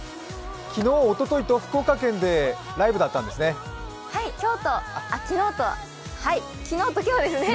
昨日、おとといと福岡県でライブだったんですね。